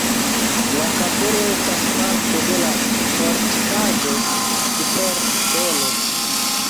La kapelo estas parto de la fortikaĵo super kelo.